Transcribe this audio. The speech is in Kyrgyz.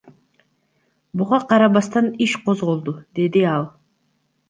Буга карабастан иш козголду, — деди ал.